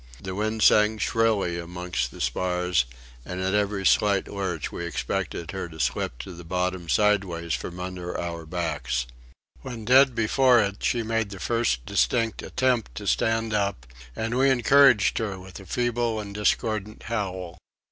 The wind sang shrilly amongst the spars; and at every slight lurch we expected her to slip to the bottom sideways from under our backs. When dead before it she made the first distinct attempt to stand up, and we encouraged her with a feeble and discordant howl.